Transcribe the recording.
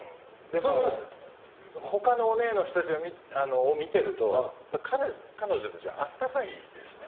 他のオネエの人たちを見ていると彼女たちは温かいですね。